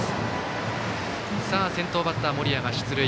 先頭バッター、森谷が出塁。